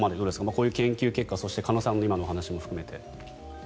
こういう研究結果そして鹿野さんの今の話をお聞きして。